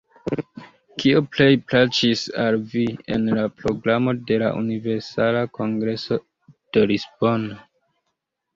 Kio plej plaĉis al vi en la programo de la Universala Kongreso de Lisbono?